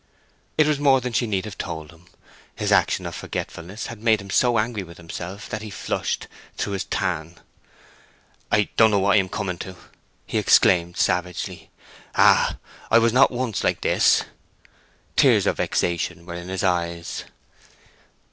It was more than she need have told him; his action of forgetfulness had made him so angry with himself that he flushed through his tan. "I don't know what I am coming to!" he exclaimed, savagely. "Ah—I was not once like this!" Tears of vexation were in his eyes.